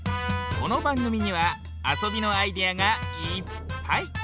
このばんぐみにはあそびのアイデアがいっぱい！